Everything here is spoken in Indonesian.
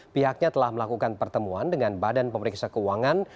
pihaknya telah melakukan pertemuan dengan badan pemeriksa keuangan